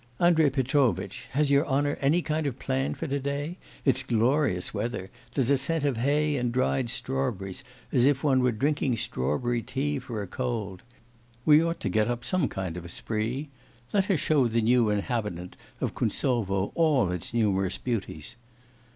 'Andrei Petrovitch, has your honour any kind of plan for to day? It's glorious weather; there's a scent of hay and dried strawberries as if one were drinking strawberry tea for a cold. We ought to get up some kind of a spree. Let us show the new inhabitant of Kuntsov all its numerous beauties.